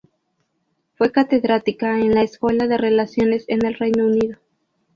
Fue catedrática de la Escuela de Relaciones en el Reino Unido.